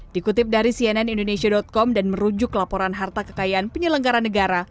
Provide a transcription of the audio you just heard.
dikutip dari cnn indonesia com dan merujuk laporan harta kekayaan penyelenggara negara